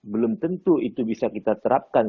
belum tentu itu bisa kita terapkan